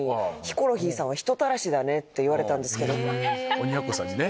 鬼奴さんにね。